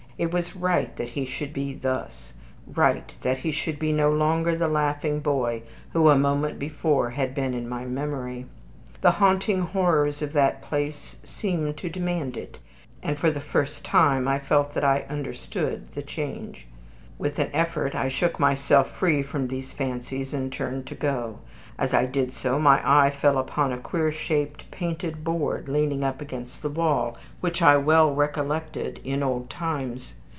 It was right that he should be thus right that he should be no longer the laughing boy who a moment before had been in my memory. The haunting horrors of that place seemed to demand it, and for the first time I felt that I understood the change. With an effort I shook myself free from these fancies, and turned to go. As I did so, my eye fell upon a queer shaped painted board, leaning up against the wall, which I well recollected in old times.